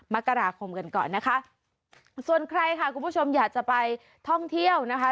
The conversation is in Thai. มกราคมกันก่อนนะคะส่วนใครค่ะคุณผู้ชมอยากจะไปท่องเที่ยวนะคะ